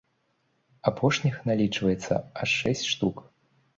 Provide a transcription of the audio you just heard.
Апошніх налічаецца аж шэсць штук.